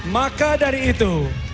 maka dari itu